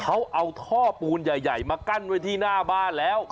เขาเอาท่อปูนใหญ่มากั้นไว้ที่หน้าบ้านแล้ว